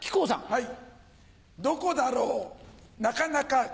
はい。